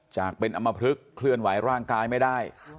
จากเป็นอำมพลึกเคลื่อนไหวร่างกายไม่ได้